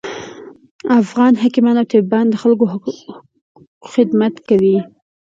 افغان حکیمان او طبیبان د خلکوخدمت کوي